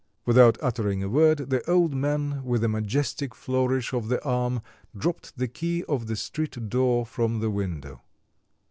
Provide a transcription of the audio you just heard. Without uttering a word, the old man with a majestic flourish of the arm dropped the key of the street door from the window.